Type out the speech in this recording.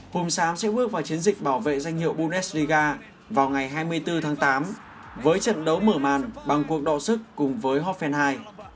hôm sáng sẽ bước vào chiến dịch bảo vệ danh hiệu bundesliga vào ngày hai mươi bốn tháng tám với trận đấu mở màn bằng cuộc độ sức cùng với hoffenheim